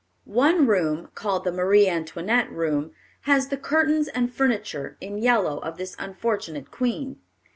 One room, called the Marie Antoinette room, has the curtains and furniture, in yellow, of this unfortunate queen.